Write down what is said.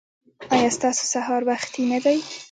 ایا ستاسو سهار وختي نه دی؟